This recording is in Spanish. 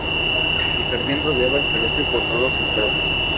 El jardín rodeaba el palacio por todos sus lados.